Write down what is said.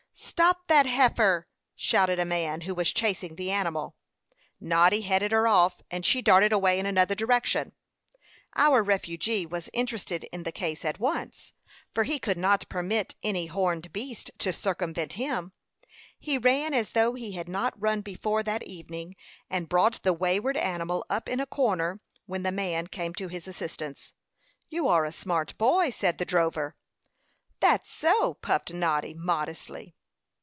"Stop that heifer!" shouted a man, who was chasing the animal. Noddy headed her off, and she darted away in another direction. Our refugee was interested in the case at once; for he could not permit any horned beast to circumvent him. He ran as though he had not run before that evening, and brought the wayward animal up in a corner when the man came to his assistance. "You are a smart boy," said the drover. "That's so," puffed Noddy, modestly.